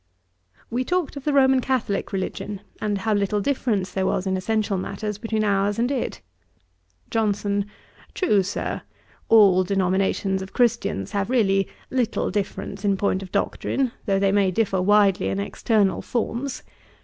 We talked of the Roman Catholick religion, and how little difference there was in essential matters between ours and it. JOHNSON. 'True, Sir; all denominations of Christians have really little difference in point of doctrine, though they may differ widely in external forms.